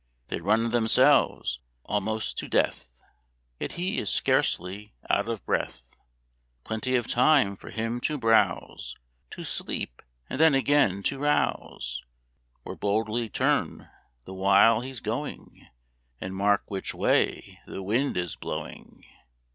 They run themselves almost to death, Yet he is scarcely out of breath; Plenty of time for him to browse, To sleep, and then again to rouse; Or boldly turn the while he's going, And mark which way the wind is blowing.